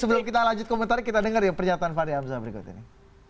sebelum kita lanjut komentarnya kita dengar ya pernyataan fahri hamzah berikut ini